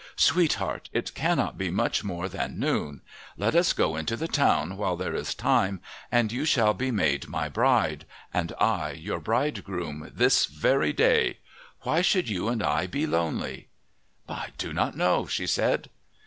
Sweetheart, it cannot be much more than noon. Let us go into the town, while there is time, and you shall be made my bride, and I your bridegroom, this very day. Why should you and I be lonely?" "I do not know," she said.